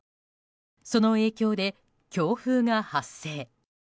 その影響で強風が発生。